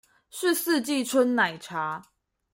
是四季春奶茶